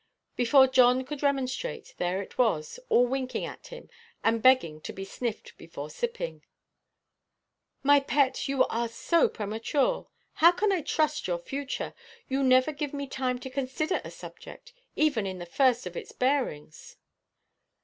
Before John could remonstrate, there it was, all winking at him, and begging to be sniffed before sipping. "My pet, you are so premature. How can I trust your future? You never give me time to consider a subject, even in the first of its bearings."